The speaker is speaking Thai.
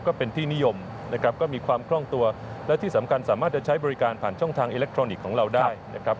ก็เป็นที่นิยมนะครับก็มีความคล่องตัวและที่สำคัญสามารถจะใช้บริการผ่านช่องทางอิเล็กทรอนิกส์ของเราได้นะครับ